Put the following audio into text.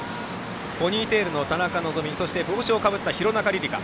ポニーテールの田中希実帽子をかぶった廣中璃梨佳。